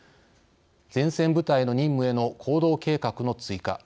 前線部隊の任務への行動計画の追加。